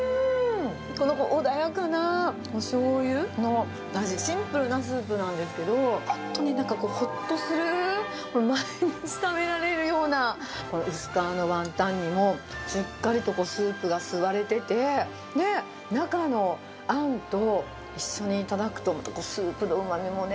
この穏やかなおしょうゆの味、シンプルなスープなんですけど、本当になんかほっとする、毎日食べられるような、この薄皮のワンタンにも、しっかりとこう、スープが吸われてて、で、中のあんと一緒に頂くと、スープのうまみもね。